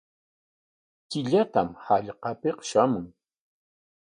Killatam hallqapik shamun.